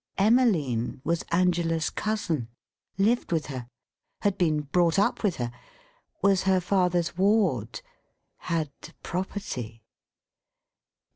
Emmeline was Angela's cousin. Lived with her. Had been brought up with her. Was her father's ward. Had property.